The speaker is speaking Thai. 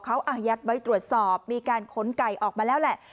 เขาอายัดไว้ตรวจสอบมีการขนไก่ออกมาแล้วแหละ